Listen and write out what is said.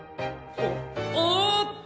おっと！